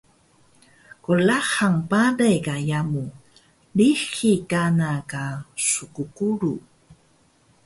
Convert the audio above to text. Qlahang bale ka yamu, lixi kana ka sqquru